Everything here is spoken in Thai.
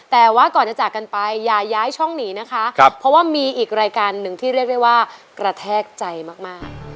แต่ว่าก่อนจะจากกันไปอย่าย้ายช่องหนีนะคะเพราะว่ามีอีกรายการหนึ่งที่เรียกได้ว่ากระแทกใจมาก